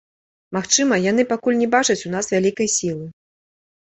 Магчыма, яны пакуль не бачаць у нас вялікай сілы.